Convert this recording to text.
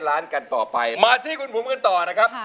อายุ๒๔ปีวันนี้บุ๋มนะคะ